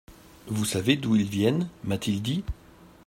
«Vous savez d'où ils viennent ?» m'a-t-il dit.